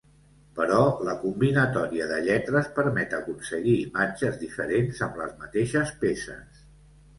Però la combinatòria de lletres permet aconseguir imatges diferents amb les mateixes peces.